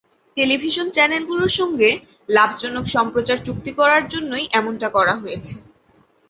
Television চ্যানেলগুলোর সঙ্গে লাভজনক সম্প্রচার চুক্তি করার জন্যই এমনটা করা হয়েছে।